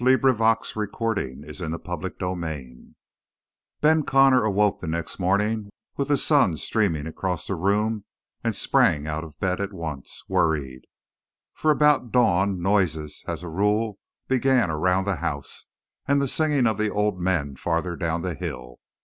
"Watch your step!" CHAPTER TWENTY SEVEN Ben Connor awoke the next morning with the sun streaming across the room and sprang out of bed at once, worried. For about dawn noises as a rule began around the house and the singing of the old men farther down the hill.